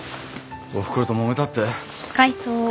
おふくろともめたって？